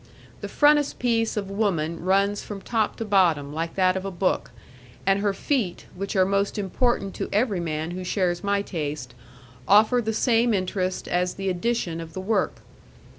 The frontispiece of woman runs from top to bottom like that of a book, and her feet, which are most important to every man who shares my taste, offer the same interest as the edition of the work.